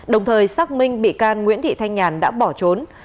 đồng thời xác minh bị can nguyễn thị thanh nhàn đã bỏ trốn